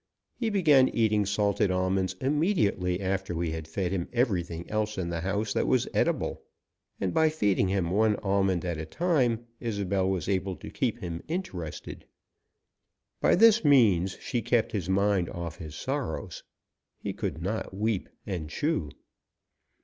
He began eating salted almonds immediately after we had fed him everything else in the house that was edible, and by feeding him one almond at a time Isobel was able to keep him interested. By this means she kept his mind off his sorrows. He could not weep and chew.